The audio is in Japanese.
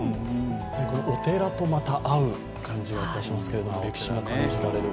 お寺とまた合う感じがいたしますけれども、歴史も感じられる。